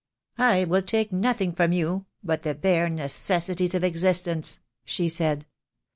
"I will take nothing from you but the bare necessities of existence," she said.